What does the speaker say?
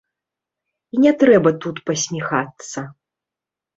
І не трэба тут пасміхацца.